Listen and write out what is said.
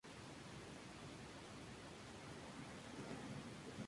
Tras su presentación, grabó el disco "Juventud Folklórica de Cosquín".